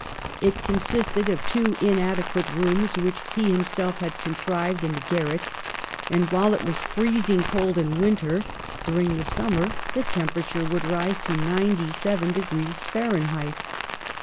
It con sisted of two inadequate rooms which he him self had contrived in the garret, and, while it was freezing cold in winter, during the summer the temperature would rise to 97° Fahrenheit.